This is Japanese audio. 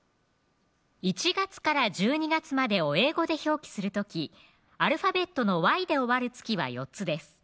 １月から１２月までを英語で表記する時アルファベットのｙで終わる月は４つです